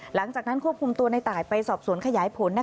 หลังจากนั้นควบคุมตัวในตายไปสอบสวนขยายผล